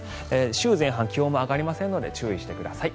週前半気温も上がらないので注意してください。